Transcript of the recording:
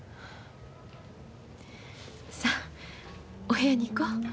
さお部屋に行こ。